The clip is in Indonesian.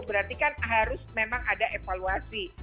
berarti kan harus memang ada evaluasi